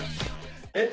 えっ？